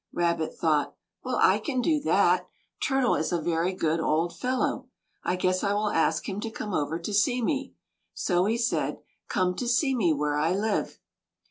Rabbit thought: "Well, I can do that. Turtle is a very good old fellow, I guess I will ask him to come over to see me." So he said: "Come to see me where I live."